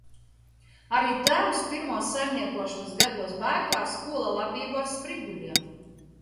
Arī tēvs pirmos saimniekošanas gados Bēkās kūla labību ar spriguļiem.